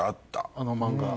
あの漫画。